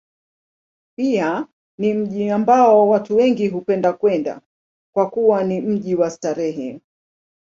Pia ni mji ambao watu wengi hupenda kwenda, kwa kuwa ni mji wa starehe.